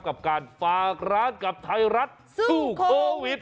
กับการฝากร้านกับไทยรัฐสู้โควิด